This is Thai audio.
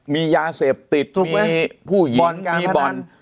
มียาเสพติดมีผู้หญิงมีบ่อน